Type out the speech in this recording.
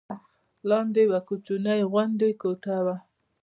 لاندې یوه کوچنۍ غوندې کوټه ده.